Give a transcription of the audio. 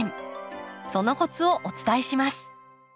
そのコツをお伝えします。